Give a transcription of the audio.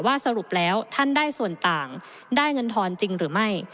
สรุปแล้วท่านได้ส่วนต่างได้เงินทอนจริงหรือไม่